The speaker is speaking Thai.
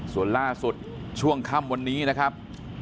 ส่วนล่าสุดช่วงค่ำวันนี้นะครับ